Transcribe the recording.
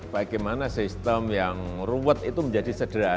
bagaimana sistem yang ruwet itu menjadi sederhana